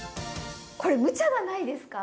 これむちゃじゃないですか？